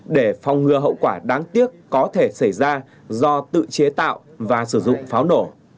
để phòng ngừa hậu quả đáng tiếc có thể xảy ra do tự chế tạo và sử dụng pháo nổ